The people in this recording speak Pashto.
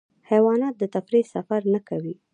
حیوانات د تفریح سفر نه کوي.